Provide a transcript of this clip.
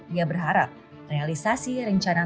dia berharap realisasi rencana